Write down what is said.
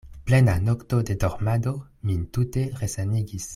Plena nokto de dormado min tute resanigis.